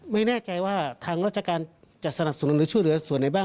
ไม่แน่ใจว่าทางราชการจะสนับสนุนหรือช่วยเหลือส่วนไหนบ้าง